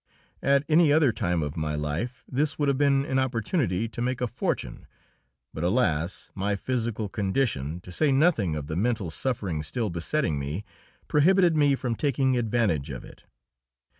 At any other time of my life this would have been an opportunity to make a fortune, but alas! my physical condition, to say nothing of the mental sufferings still besetting me, prohibited me from taking advantage of it.